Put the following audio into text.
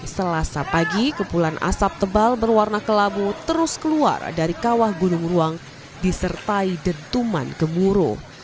selasa pagi kepulan asap tebal berwarna kelabu terus keluar dari kawah gunung ruang disertai detuman gemuruh